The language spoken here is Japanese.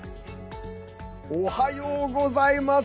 おはようございます。